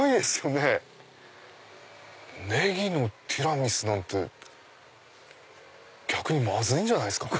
ねぎのティラミスなんて逆にまずいんじゃないですか？